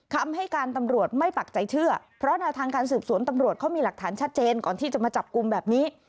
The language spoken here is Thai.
คำให้การตำรวจไม่ปักใจเชื่อเพราะแนวทางการสืบสวนตำรวจเขามีหลักฐานชัดเจนก่อนที่จะมาจับกลุ่มแบบนี้